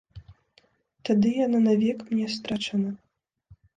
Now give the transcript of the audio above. Тады яна навек мне страчана.